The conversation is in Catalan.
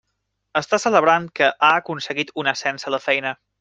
Està celebrant que ha aconseguit un ascens a la feina.